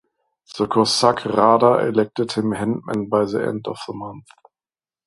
The Cossack Rada elected him Hetman by the end of the month.